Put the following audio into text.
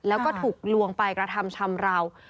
แล้วก็ถูกลวงไปกระทำชำราว